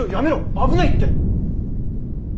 危ないって！